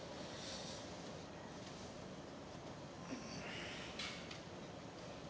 うん。